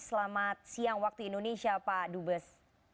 selamat siang waktu indonesia pak dubes